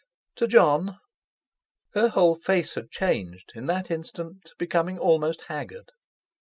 "To Jon?" Her whole face had changed, in that instant, becoming almost haggard.